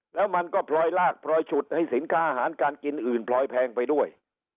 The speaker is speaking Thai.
แล้วมันก็พลอยลากพลอยฉุดให้สินค้าอาหารการกินอื่นพลอยแพงไปด้วย